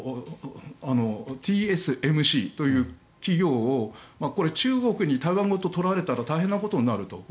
ＴＳＭＣという企業を中国に取られたら大変なことになると。